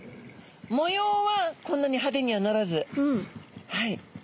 模様はこんなに派手にはならずはい。